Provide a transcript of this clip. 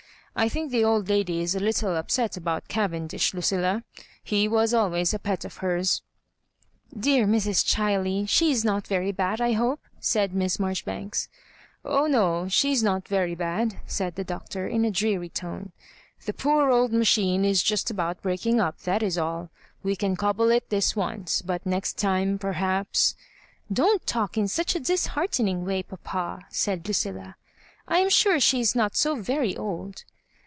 I think the old lady is a little upset about Cavendish, Lucilla. He was always a pet of hers." " Dear Mrs. ChUey I she is not very bad, I hope ?" said Miss Marjoribanks. ♦' Oh no. she is not very bad," said the Doctor, in a dreary tone. '' The poor old machine is just about breaking up, that is all. We can cobble it this once, but next time perhaps " ''Don't talk in such a disheartening way, papa," said Lucilla. " I am sure she is not so very old."